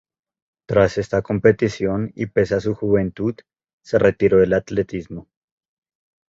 Tras esta competición, y pese a su juventud, se retiró del atletismo.